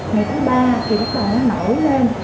ngày thứ ba thì bắt đầu nó nở lên